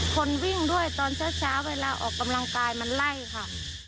คนวิ่งด้วยตอนเช้าเวลาออกกำลังกายมันไล่ค่ะ